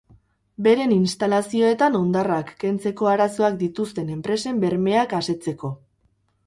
Beren instalazioetan hondarrak kentzeko arazoak dituzten enpresen bermeak asetzeko.